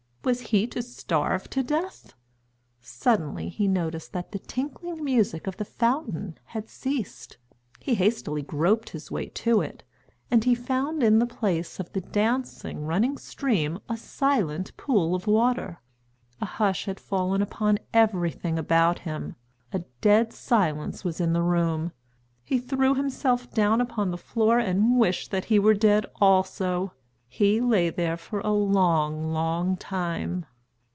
Was he to starve to death? Suddenly he noticed that the tinkling music of the fountain had ceased. He hastily groped his way to it, and he found in the place of the dancing, running stream a silent pool of water. A hush had fallen upon everything about him; a dead silence was in the room. He threw himself down upon the floor and wished that he were dead also. He lay there for a long, long time.